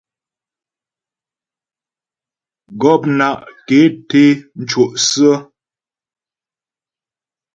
Gɔpna' ké té mco' sə̀.